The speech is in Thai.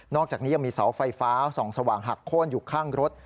อกจากนี้ยังมีเสาไฟฟ้าส่องสว่างหักโค้นอยู่ข้างรถ